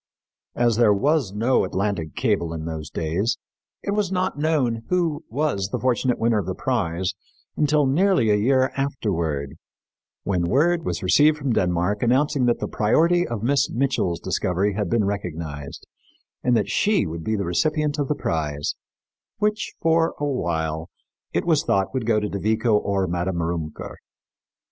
As there was no Atlantic cable in those days, it was not known who was the fortunate winner of the prize until nearly a year afterward, when word was received from Denmark announcing that the priority of Miss Mitchell's discovery had been recognized and that she would be the recipient of the prize, which, for a while, it was thought would go to De Vico or Madame Rümker.